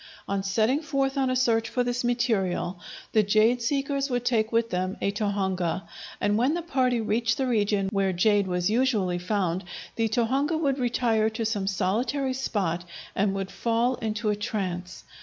On setting forth on a search for this material, the jade seekers would take with them a tohunga, and when the party reached the region where jade was usually found the tohunga would retire to some solitary spot and would fall into a trance.